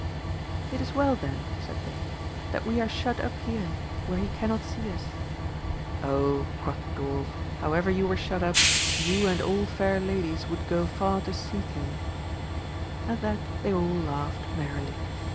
It is well then, said they, that we are shut up here, where he cannot sde us. Oh, quoth the dwarf, however you were shut up, you and all fair ladies would go far to seek him« At that they all laughed merrily.